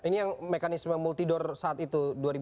ini yang mekanisme multidor saat itu